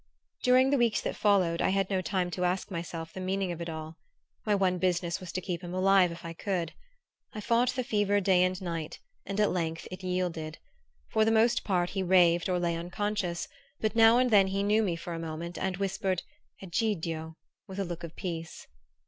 During the weeks that followed I had no time to ask myself the meaning of it all. My one business was to keep him alive if I could. I fought the fever day and night, and at length it yielded. For the most part he raved or lay unconscious; but now and then he knew me for a moment, and whispered "Egidio" with a look of peace.